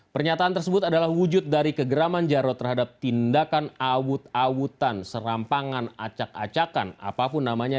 pernyataan tersebut adalah wujud dari kegeraman jarod terhadap tindakan awwut awutan serampangan acak acakan apapun namanya